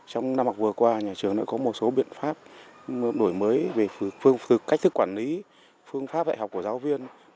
trong năm học vừa qua nhà trường đã có một số biện pháp đổi mới về phương cách thức quản lý phương pháp dạy học của giáo viên